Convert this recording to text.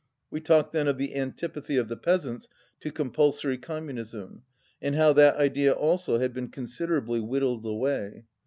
We talked then of the antipathy of the peasants to compulsory communism, and how that idea also had been considerably whittled away.